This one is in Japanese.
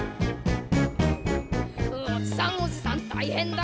「おじさんおじさん大変だ」